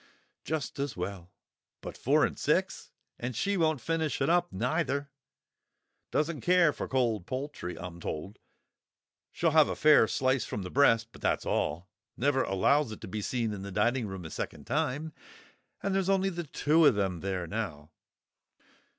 "Just as well. But—four and six! And she won't finish it up neither; doesn't care for cold poultry, I'm told; she'll have a fair slice from the breast, but that's all; never allows it to be seen in the dining room a second time. And there's only the two of them there now.